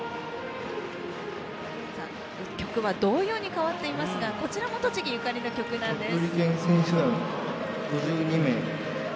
曲は童謡に変わっていますがこちらも栃木ゆかりの曲なんです。